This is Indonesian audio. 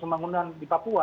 pembangunan di papua